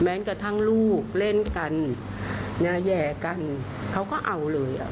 กระทั่งลูกเล่นกันแห่กันเขาก็เอาเลย